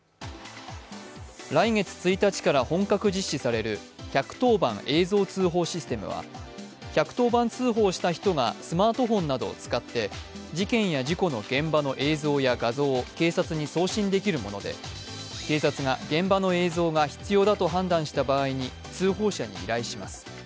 来月１日から本格実施される１１０番映像通報システムは、１１０番通報をした人がスマートフォンなどを使って事件や事故の現場の映像や画像を警察に送信できるもので警察が現場の映像が必要だと判断した場合に通報者に依頼します。